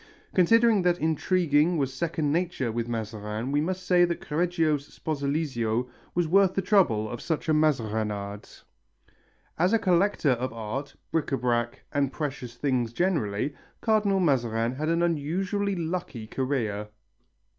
Considering that intriguing was second nature with Mazarin we must say that Correggio's Sposalizio was worth the trouble of such a mazarinade. As a collector of art, bric à brac and precious things generally, Cardinal Mazarin had an unusually lucky career.